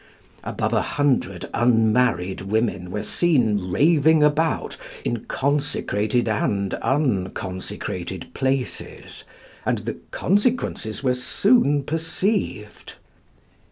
Above a hundred unmarried women were seen raving about in consecrated and unconsecrated places, and the consequences were soon perceived.